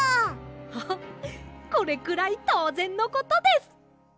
ハハッこれくらいとうぜんのことです！